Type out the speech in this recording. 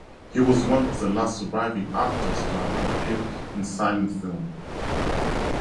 He was one of the last surviving actors to have appeared in silent film.